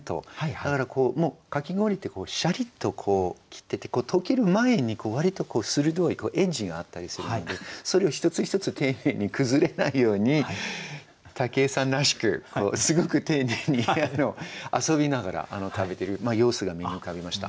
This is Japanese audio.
だからこうだからもうかき氷ってシャリッと切っていってとける前に割と鋭いエッジがあったりするんでそれを一つ一つ丁寧に崩れないように武井さんらしくすごく丁寧に遊びながら食べている様子が目に浮かびました。